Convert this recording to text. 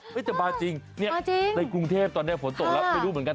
เฮ้ยแต่มาจริงมาจริงในกรุงเทพฯตอนนี้ฝนตกแล้วไม่รู้เหมือนกัน